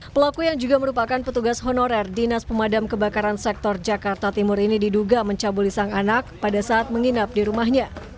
pelaku yang juga merupakan petugas honorer dinas pemadam kebakaran sektor jakarta timur ini diduga mencabuli sang anak pada saat menginap di rumahnya